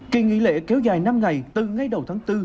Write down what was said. kỳ nghỉ lễ kéo dài năm ngày từ ngay đầu tháng bốn